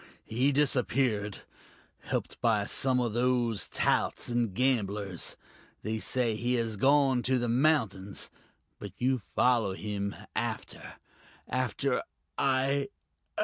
He disappeared helped by some of those touts and gamblers. They say he has gone to the mountains. But you follow him, after ... after I...."